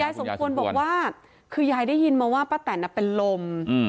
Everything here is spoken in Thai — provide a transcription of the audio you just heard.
สมควรบอกว่าคือยายได้ยินมาว่าป้าแตนเป็นลม